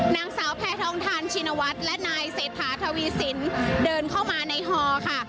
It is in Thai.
นางสาวแพทองทานชินวัฒน์และนายเศรษฐาทวีสินเดินเข้ามาในฮอค่ะ